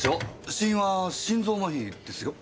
死因は心臓麻痺ですよ。